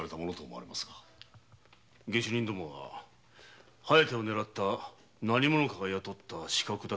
下手人どもは「疾風」を狙った何者かが雇った刺客だと思う。